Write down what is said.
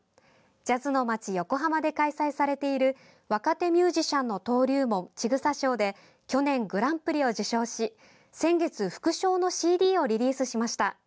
ジャズの街横浜で開催されている若手ミュージシャンの登竜門ちぐさ賞で去年グランプリを受賞し先月、副賞のＣＤをリリースしました。